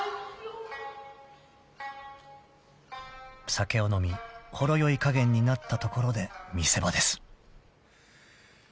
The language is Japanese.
［酒を飲みほろ酔い加減になったところで見せ場です］